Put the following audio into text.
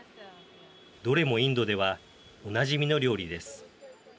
どれもインドではおなじみの料理です。